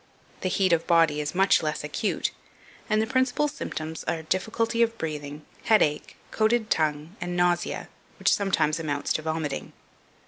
The heat of body is much less acute, and the principal symptoms are difficulty of breathing, headache, coated tongue, and nausea, which sometimes amounts to vomiting.